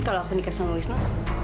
kalau aku dikasih sama wisnu